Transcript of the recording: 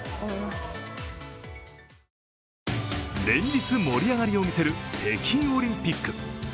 連日、盛り上がりを見せる北京オリンピック。